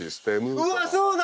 うわそうだ！